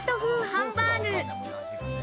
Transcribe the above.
ハンバーグ。